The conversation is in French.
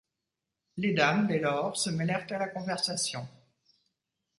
Les dames, dès lors, se mêlèrent à la conversation.